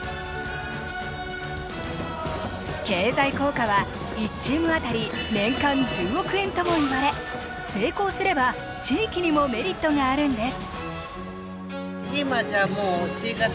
経済効果は１チーム当たり年間１０億円ともいわれ成功すれば地域にもメリットがあるんです。